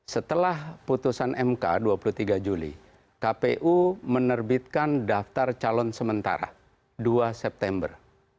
setelah putusan mk dua puluh tiga juli kpu menerbitkan daftar calon sementara dua september